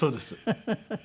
フフフフ。